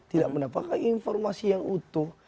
tidak mendapatkan informasi yang utuh